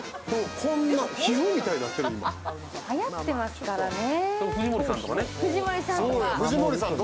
はやってますからねぇ。